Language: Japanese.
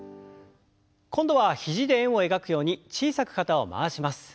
今度は肘で円を描くように小さく肩を回します。